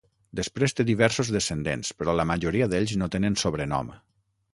Després té diversos descendents, però la majoria d'ells no tenen sobrenom.